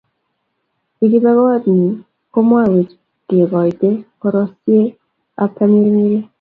Ye kibe kot nyi komakwech kekoite koroseek ab tamirmiriet